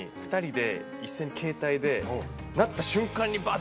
で。